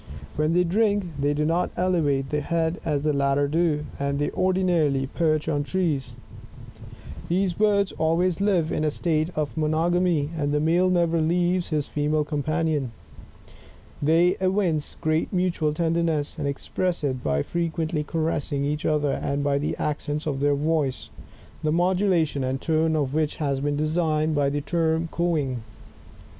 When they drink, they do not elevate the head as the latter do, and they ordinarily perch on trees. These birds always live' in a state of monogamy, and the male never leaves his female companion. They evince great mutual tenderness and express it by frequently caressing each other, and by the accents of their voice, the modulation and tone of which have been designated by the term cooing.